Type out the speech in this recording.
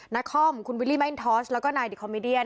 นาคอมคุณวิลลี่แมนทอสแล้วก็นายดิคอมมิเดียน